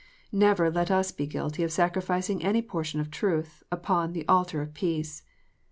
Never let us be guilty of sacrificing any portion of truth upon the altar of peace.